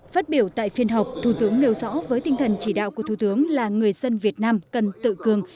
phát biểu tại phiên họp thủ tướng nêu rõ với tinh thần chỉ đạo của thủ tướng là người dân việt nam cần tự cường